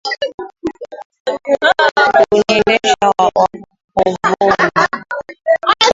Huniendesha wokovuni.